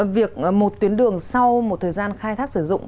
việc một tuyến đường sau một thời gian khai thác sử dụng